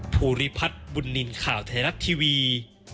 ภูริพัฒน์บุญนินข่าวแทนักทีวี